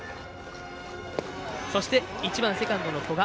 そして１番セカンドの古賀。